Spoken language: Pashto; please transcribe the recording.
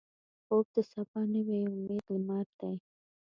خوب د سبا نوې امیدي لمر دی